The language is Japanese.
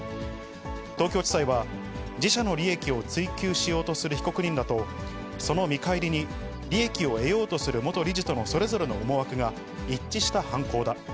東京地裁は、自社の利益を追求しようとする被告人らとその見返りに利益を得ようとする元理事とのそれぞれの思惑が一致した犯行だ。